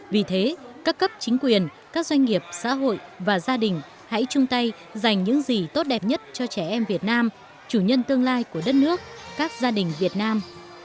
vì thế các cấp chính quyền các doanh nghiệp xã hội và gia đình hãy chung tay dành những gì tốt đẹp nhất cho trẻ em việt nam chủ nhân tương lai của đất nước các gia đình việt nam